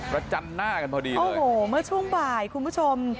จันหน้ากันพอดีโอ้โหเมื่อช่วงบ่ายคุณผู้ชม